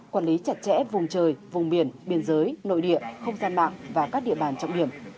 quản lý chặt chẽ vùng trời vùng biển biên giới nội địa không gian mạng và các địa bàn trọng điểm